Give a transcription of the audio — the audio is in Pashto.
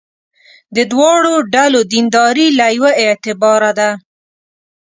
د دواړو ډلو دینداري له یوه اعتباره ده.